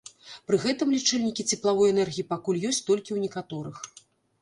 Пры гэтым лічыльнікі цеплавой энергіі пакуль ёсць толькі ў некаторых.